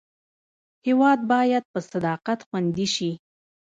هېواد باید په صداقت خوندي شي.